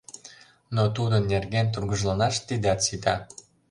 Но тудын нерген тургыжланаш тидат сита.